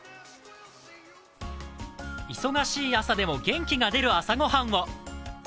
忙しい朝でも元気がでる朝ごはんを。